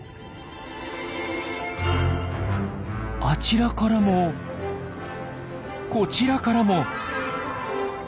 あちらからもこちらからも。